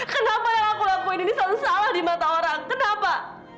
kenapa yang aku lakuin ini selalu salah di mata orang kenapa